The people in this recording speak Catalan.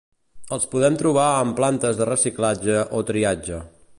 Els podem trobar en plantes de reciclatge o triatge.